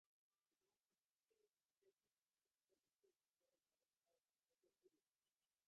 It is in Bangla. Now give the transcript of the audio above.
সুতরাং প্রত্যেককে ইহা শিখাইতে হইবে, সেই অনন্তশক্তির জাগরণে তাহাকে সহায়তা করিতে হইবে।